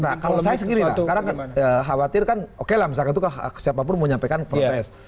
nah kalau saya sendiri sekarang khawatir kan oke lah misalkan itu siapapun mau nyampaikan protes